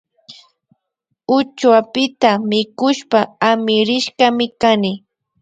Uchuapita mikushpa amirishkami kani